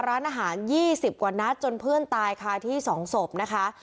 ร้านอาหาร๒๐กว่านัดจนเพื่อนตายคาที่๒ศพนะคะ